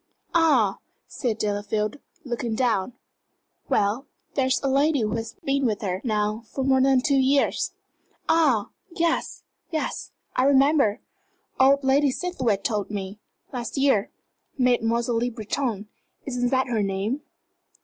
"Ah!" said Delafield, looking down. "Well, there is a lady who has been with her, now, for more than two years " "Ah, yes, yes, I remember. Old Lady Seathwaite told me last year. Mademoiselle Le Breton isn't that her name?